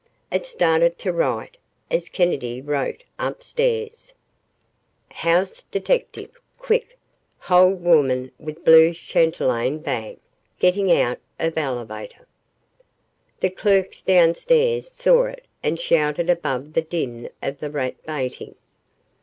It started to write, as Kennedy wrote, upstairs: "HOUSE DETECTIVE QUICK HOLD WOMAN WITH BLUE CHATELAINE BAG, GETTING OUT OF ELEVATOR." The clerks downstairs saw it and shouted above the din of the rat baiting.